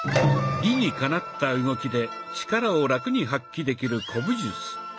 理にかなった動きで力をラクに発揮できる古武術。